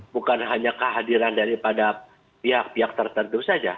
bukan hanya kehadiran daripada pihak pihak tertentu saja